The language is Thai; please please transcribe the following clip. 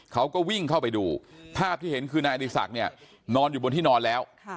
เขาก็วิ่งเข้าไปดูภาพที่เห็นคือนายอดีศักดิ์เนี่ยนอนอยู่บนที่นอนแล้ว